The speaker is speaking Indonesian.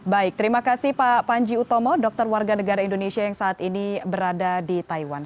baik terima kasih pak panji utomo dokter warga negara indonesia yang saat ini berada di taiwan